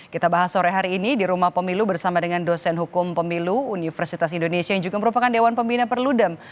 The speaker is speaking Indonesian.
kita bahas sore hari ini di rumah pemilu bersama dengan dosen hukum pemilu universitas indonesia yang juga merupakan dewan pembina perludem